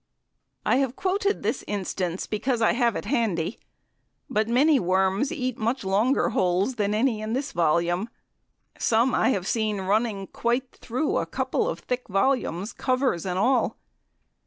I have quoted this instance because I have it handy, but many worms eat much longer holes than any in this volume; some I have seen running quite through a couple of thick volumes, covers and all.